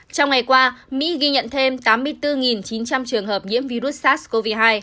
trong ngày qua mỹ ghi nhận thêm tám mươi bốn chín trăm linh trường hợp nhiễm virus sars cov hai